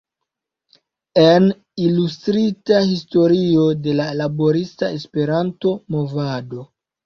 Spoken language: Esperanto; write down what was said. En: Ilustrita historio de la Laborista Esperanto-Movado.